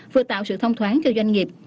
vừa tạo sự thông thoáng cho doanh nghiệp